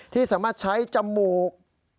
ที่สามารถใช้จมูก